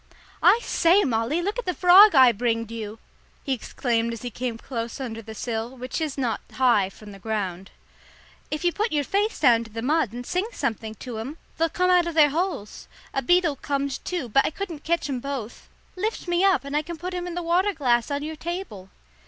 "I say, Molly, look at the frog I bringed you!" he exclaimed as he came close under the sill, which is not high from the ground. "If you put your face down to the mud and sing something to 'em, they'll come out of their holes. A beetle comed, too, but I couldn't ketch 'em both. Lift me up, and I can put him in the waterglass on your table."